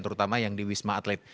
terutama yang di wisma atlet